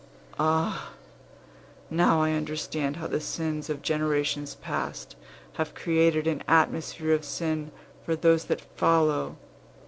Ah! now I understand how the sins of generations past have created an atmosphere of sin for those that follow.